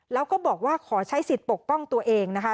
แล้วก็บอกว่าขอใช้สิทธิ์ปกป้องตัวเองนะคะ